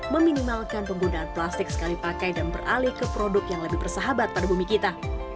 meminimalkan penggunaan plastik sekali pakai dan beralih ke produk yang lebih bersahabat pada bumi kita